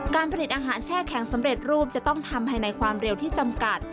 ผลิตอาหารแช่แข็งสำเร็จรูปจะต้องทำให้ในความเร็วที่จำกัด